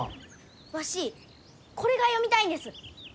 わしこれが読みたいんです。